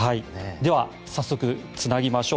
では早速つなぎましょう。